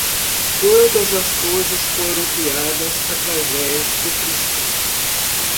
Todas as coisas foram criadas através de Cristo